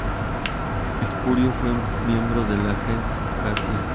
Espurio fue miembro de la "gens" Casia.